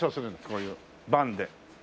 こういうバンで。